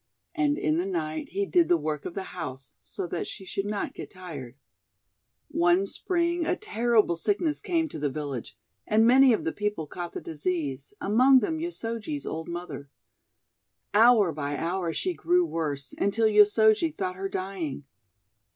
And in the night he did the work of the house, so that she should not get tired. One Spring a terrible sickness came to the village, and many of the people caught the disease, among them Yosoji's old mother. Hour by hour she grew worse, until Yosoji thought her dying.